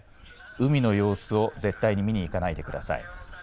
海の様子を絶対に見に行かないでください。